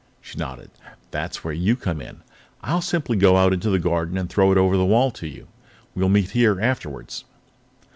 She nodded. "That's where you come in. I'll simply go out into the garden and throw it over the wall to you. We'll meet here afterwards."